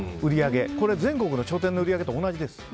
これ、全国の商店の売り上げと同じです。